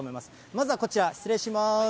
まずはこちら、失礼します。